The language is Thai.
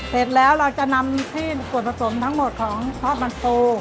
เสร็จแล้วเราจะนำที่ส่วนผสมทั้งหมดของซอสมันปู